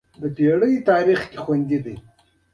تاریخ به یې دا ډول کړنې یاد ساتي.